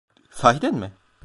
Sahiden mi?